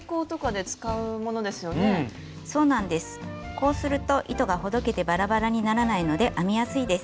こうすると糸がほどけてバラバラにならないので編みやすいです。